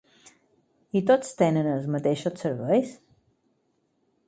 I tots tenen els mateixos serveis?